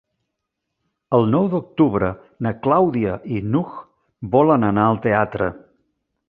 El nou d'octubre na Clàudia i n'Hug volen anar al teatre.